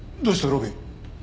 路敏。